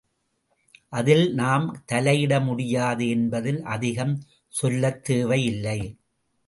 அதில் நாம் தலையிட முடியாது என்பதால் அதிகம் சொல்லத் தேவை இல்லை.